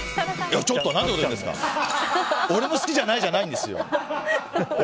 俺も好きじゃないじゃないんですよ。